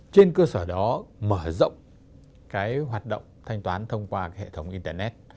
trên cơ sở đó mở rộng cái hoạt động thanh toán thông qua hệ thống internet